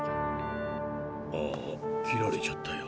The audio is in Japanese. ああ切られちゃったよ。